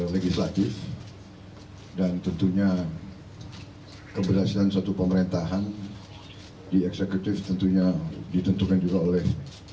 legislatif dan tentunya keberhasilan suatu pemerintahan di eksekutif tentunya ditentukan juga oleh